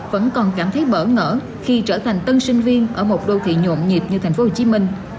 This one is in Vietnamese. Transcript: vẫn còn cảm thấy bỡ ngỡ khi trở thành tân sinh viên ở một đô thị nhộn nhịp như thành phố hồ chí minh